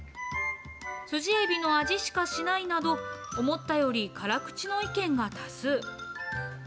スジエビの味しかしないなど、思ったより辛口の意見が多数。